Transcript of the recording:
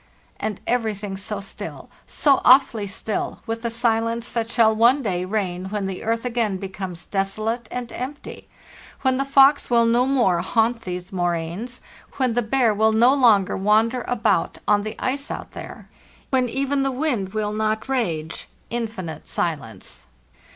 And everything so still, so awfully still, with the silence that shall one day reign when the earth again becomes desolate and empty, when the fox will no more haunt these moraines, when LAND ALT LAST A4I the bear will no longer wander about on the ice out there, when even the wind will not rage—infinite silence